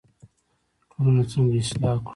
ټولنه څنګه اصلاح کړو؟